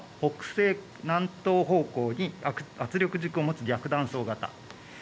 発震機構は北西南東方向に圧力軸を持つ逆断層型。